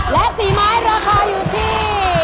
และ๔ไม้ราคาอยู่ที่